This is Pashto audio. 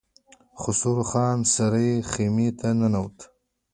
خسرو خان سرې خيمې ته ننوت.